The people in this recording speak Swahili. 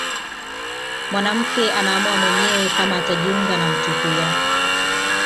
Mwanamke anaamua mwenyewe kama atajiunga na mtu huyo